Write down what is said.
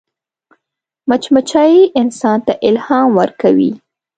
مچمچۍ انسان ته الهام ورکوي